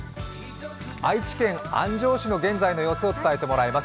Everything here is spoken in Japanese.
愛知県安城市の現在の様子を伝えてもらいます。